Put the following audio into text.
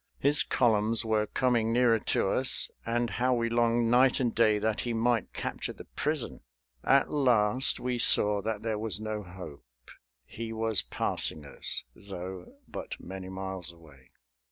His columns were coming nearer to us; and how we longed night and day that he might capture the prison! At last we saw that there was no hope. He was passing us, though, but many miles away.